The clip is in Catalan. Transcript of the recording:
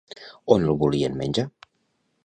On el volien menjar?